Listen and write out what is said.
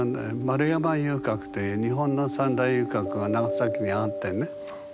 丸山遊郭っていう日本の三大遊郭が長崎にあってね